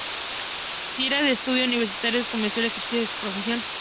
Tras los estudios universitarios, comenzó el ejercicio de su profesión.